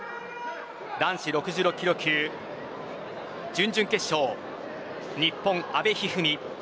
男子６６キロ級準々決勝日本、阿部一二三。